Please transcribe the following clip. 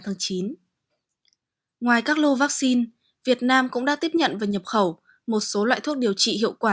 ngoài các lô vaccine việt nam cũng đã tiếp nhận và nhập khẩu một số loại thuốc điều trị hiệu quả